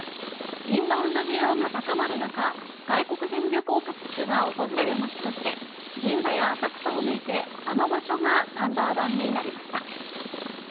インバウンド需要が高まる中、外国人旅行客が訪れる街として、銀座や浅草を抜いて、あの場所がナンバーワンになりました。